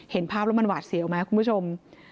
เห็นภาพแล้วมันหวาดเสียวไหมคุณผู้ชม